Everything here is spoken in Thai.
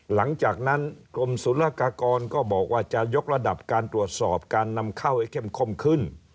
หลังจากนั้นกรมศุลกากรก็บอกว่าจะยกระดับการตรวจสอบการนำเข้าให้เข้มข้นขึ้น